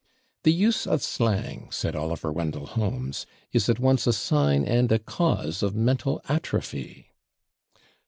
"The use of slang," said Oliver Wendell Holmes, "is at once a sign and a cause of mental atrophy."